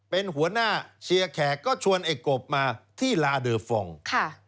เป็นหัวหน้าเชียร์แขกก็ชวนไอ้กบมาที่ลาเดอร์ฟองค่ะ